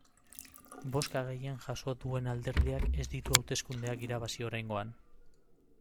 Bozka gehien jaso duen alderdiak ez ditu hauteskundeak irabazi oraingoan.